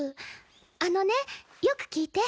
あのねよく聞いて。